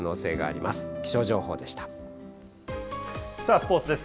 スポーツです。